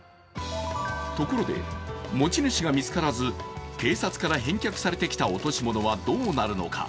ところで持ち主が見つからず、警察から返却されてきた落とし物はどうなるのか。